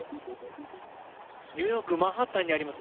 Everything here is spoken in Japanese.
ニューヨーク・マンハッタンにあります